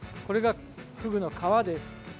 これがフグの皮です。